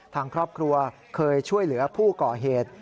ทางครอบครัวเคยช่วยเหลือผู้ก่อเหตุ